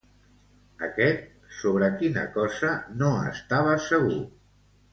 Aquest, sobre quina cosa no estava segur?